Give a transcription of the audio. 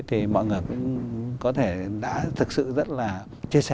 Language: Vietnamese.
thì mọi người cũng có thể đã thực sự rất là chia sẻ